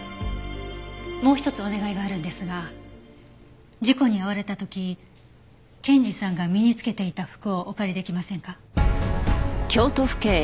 もう一つお願いがあるんですが事故に遭われた時健治さんが身に着けていた服をお借りできませんか？